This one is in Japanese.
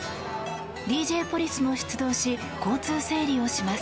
ＤＪポリスも出動し交通整理をします。